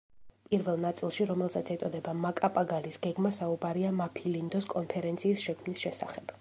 პირველ ნაწილში, რომელსაც ეწოდება „მაკაპაგალის გეგმა“, საუბარია მაფილინდოს კონფერენციის შექმნის შესახებ.